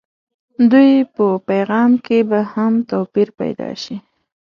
دوی په پیغام کې به هم توپير پيدا شي.